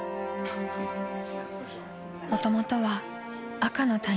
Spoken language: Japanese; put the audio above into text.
［もともとは赤の他人］